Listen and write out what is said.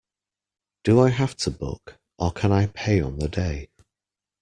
Do I have to book, or can I pay on the day?